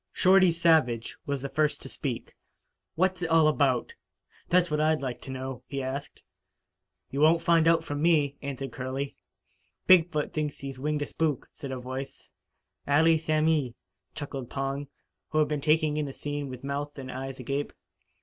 Shorty Savage was the first to speak. "What's it all about? That's what I'd like to know," he asked. "You won't find out from me," answered Curley. "Big foot thinks he winged a spook," said a voice. "Allee samee," chuckled Pong, who had been taking in the scene with mouth and eyes agape.